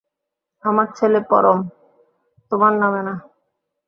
আমার ছেলে পরম, তোমার নামে না।